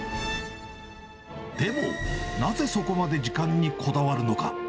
でも、なぜそこまで時間にこだわるのか。